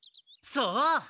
そう。